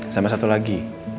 sama satu lagi